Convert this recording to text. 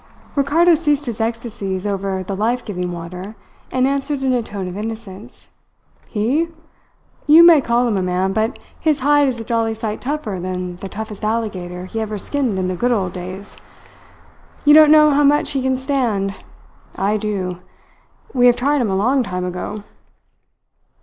Ricardo ceased his ecstasies over the life giving water and answered in a tone of innocence: "He? You may call him a man, but his hide is a jolly sight tougher than the toughest alligator he ever skinned in the good old days. You don't know how much he can stand: I do. We have tried him a long time ago.